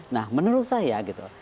nah menurut saya gitu